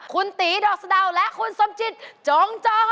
คุณตีดอกสะดาวและคุณสมจิตจงจอ